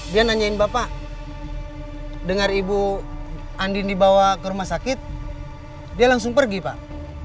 dia nanyain bapak dengar ibu andin dibawa ke rumah sakit dia langsung pergi pak